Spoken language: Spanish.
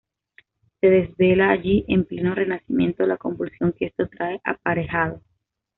Se desvela allí, en pleno Renacimiento, la convulsión que esto trae aparejado.